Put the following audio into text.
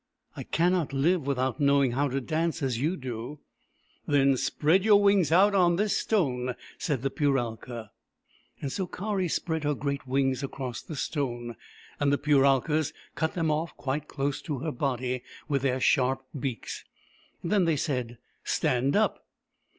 " I cannot live without knowing how to dance as you do." " Then, spread your wings out on this stone," said the Puralka. So Kari spread her great wings across the stone, and the Puralkas cut them off quite close to her body with their sharp beaks. Then they said, " Stand up."